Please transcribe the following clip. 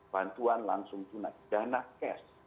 bantuan langsung tunai dana cash